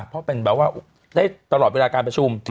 เพราะเป็นแบบว่าได้ตลอดเวลาการประชุม